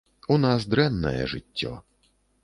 У нас дрэннае жыццё.